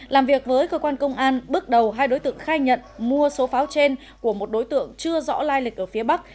làm việc với cơ quan công an bước đầu hai đối tượng khai nhận mua số pháo trên của một đối tượng chưa rõ lai lịch ở phía bắc